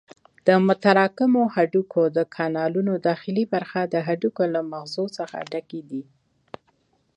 د متراکمو هډوکو د کانالونو داخلي برخه د هډوکو له مغزو څخه ډکې دي.